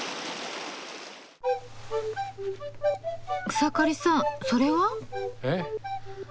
草刈さんそれは？えっ？